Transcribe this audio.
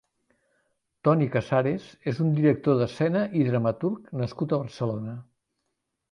Toni Casares és un director d'escena i dramaturg nascut a Barcelona.